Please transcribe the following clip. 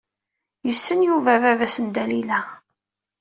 Yessen Yuba baba-s n Dalila.